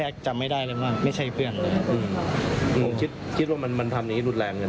คิดว่ามันทำอย่างนี้รุดแรงกัน